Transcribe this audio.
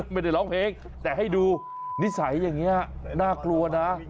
ไม่ได้ร้องเพลงแต่ให้ดูนิสัยอย่างนี้น่ากลัวนะ